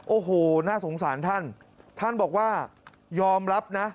โอ้โหน่าสงสารท่านท่านบอกว่ายอมรับนะ